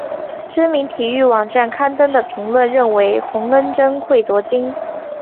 知名体育网站刊登的评论认为洪恩贞会夺金。